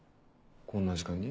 こんな時間に？